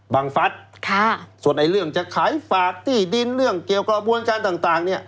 บางฟัดส่วนเรื่องขายฝากตืดินเกี่ยวกับมูลนด์การต่าง